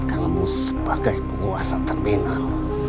kang mu sebagai penguasa terminal